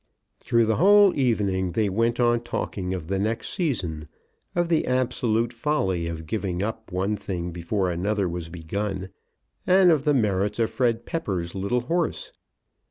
Through the whole evening they went on talking of the next season, of the absolute folly of giving up one thing before another was begun, and of the merits of Fred Pepper's little horse.